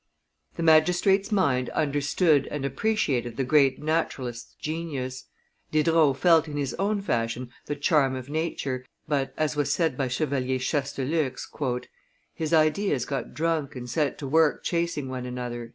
The magistrate's mind understood and appreciated the great naturalist's genius. Diderot felt in his own fashion the charm of nature, but, as was said by Chevalier Chastellux, "his ideas got drunk and set to work chasing one another."